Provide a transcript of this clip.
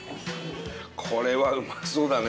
これはうまそうだね。